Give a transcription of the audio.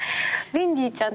ウィンディちゃん。